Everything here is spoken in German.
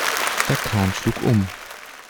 Der Kahn schlug um.